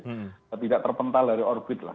tidak terpental dari orbit lah